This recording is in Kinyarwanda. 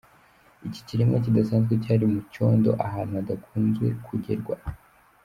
Iki kiremwa kidasanzwe cyari mu cyondo ahantu hadakunzwe kugerwa.